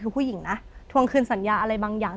คือผู้หญิงนะทวงคืนสัญญาอะไรบางอย่าง